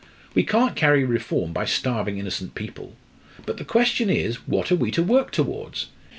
We can't carry reform by starving innocent people. But the question is, what are we to work towards?